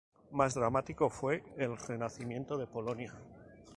Más dramático fue el renacimiento de Polonia.